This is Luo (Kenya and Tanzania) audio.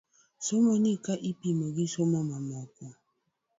Somoni ka ipimo gi somo mamoko .